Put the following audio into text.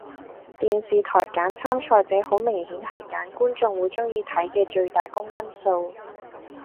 電視台揀參賽者好明顯係揀觀眾會鍾意睇嘅最大公因數